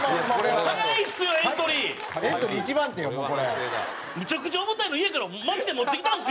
むちゃくちゃ重たいの家からマジで持ってきたんですよ